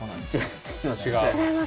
違います。